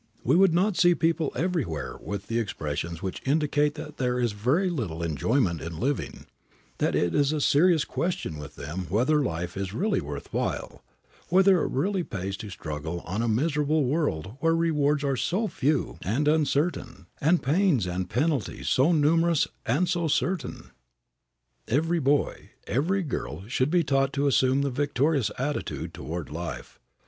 We would not see people everywhere with expressions which indicate that there is very little enjoyment in living; that it is a serious question with them whether life is really worth while, whether it really pays to struggle on in a miserable world where rewards are so few and uncertain and pains and penalties so numerous and so certain. Every boy, every girl should be taught to assume the victorious attitude toward life.